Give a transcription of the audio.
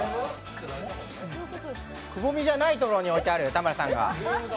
くぼみじゃないところに置いてある、田村さんが。